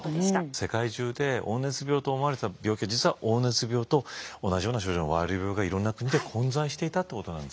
世界中で黄熱病と思われてた病気が実は黄熱病と同じような症状のワイル病がいろんな国で混在していたってことなんですね。